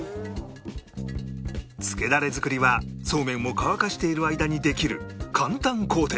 つけダレ作りはそうめんを乾かしている間にできる簡単工程